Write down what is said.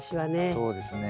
そうですね。